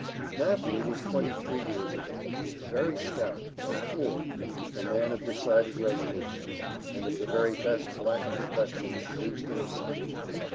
Matthew was twenty three years of age, very stout no fool a man of decided resolution, and of the very best black complexion produced in the South.